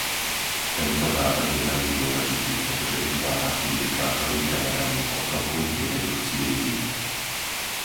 Tento návrh je veľmi dôležitý, pretože vytvára indikátory pre meranie pokroku pri redukcii rizík.